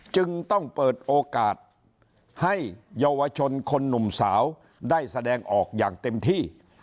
จึงต้องเปิดโอกาสให้เยาวชนคนหนุ่มสาวได้แสดงออกอย่างเต็มที่